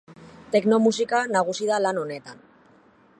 Techno musika nagusi da lan honetan.